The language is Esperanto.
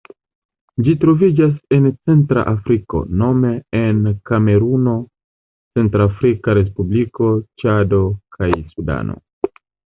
Ĝi troviĝas en centra Afriko nome en Kameruno, Centrafrika Respubliko, Ĉado kaj Sudano.